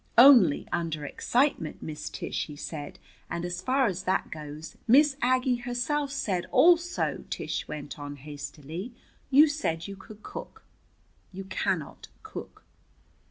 "Only under excitement, Miss Tish," he said. "And as far as that goes, Miss Aggie herself said " "Also," Tish went on hastily, "you said you could cook. You cannot cook."